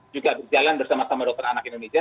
juga berjalan bersama sama dokter anak indonesia